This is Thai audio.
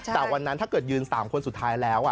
แต่วันนั้นถ้าเกิดยืน๓คนสุดท้ายแล้ว